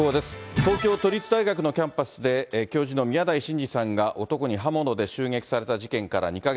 東京都立大学のキャンパスで、教授の宮台真司さんが男に刃物で襲撃された事件から２か月。